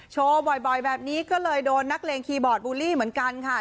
โชว์บ่อยแบบนี้ก็เลยโดนนักเลงคีย์บอร์ดบูลลี่เหมือนกันค่ะ